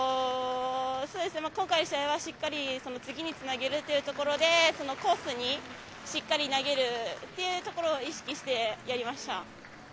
今回、試合はしっかり次につなげるというところでコースにしっかり投げるということを意識してやりました。